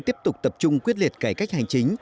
tiếp tục tập trung quyết liệt cải cách hành chính